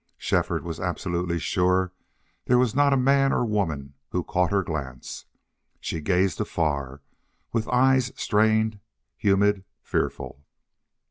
Shefford was absolutely sure there was not a man or a woman who caught her glance. She gazed afar, with eyes strained, humid, fearful.